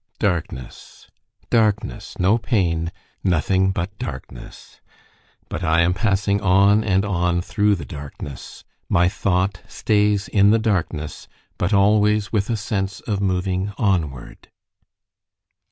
Darkness darkness no pain nothing but darkness: but I am passing on and on through the darkness: my thought stays in the darkness, but always with a sense of moving onward